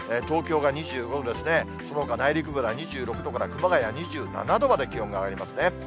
東京が２５度ですね、そのほか内陸部が２６度から、熊谷は２７度まで気温が上がりますね。